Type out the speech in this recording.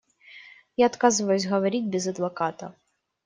Я отказываюсь говорить без адвоката.